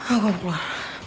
oh gue mau keluar